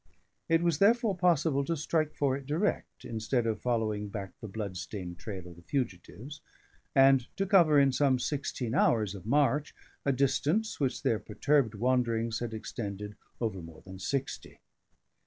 It was therefore possible to strike for it direct, instead of following back the blood stained trail of the fugitives, and to cover, in some sixteen hours of march, a distance which their perturbed wanderings had extended over more than sixty.